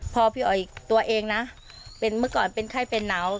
พอพี่อ๋อยตัวเองนะเป็นเมื่อก่อนเป็นไข้เป็นหนาว